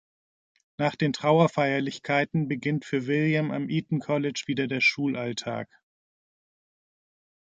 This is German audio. Nach den Trauerfeierlichkeiten beginnt für William am Eton College wieder der Schulalltag.